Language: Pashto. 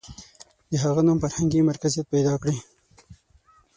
• د هغه نوم فرهنګي مرکزیت پیدا کړ.